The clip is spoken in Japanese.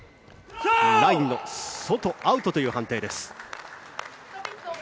ラインの外アウトという判定です。